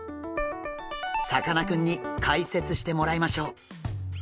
さかなクンに解説してもらいましょう！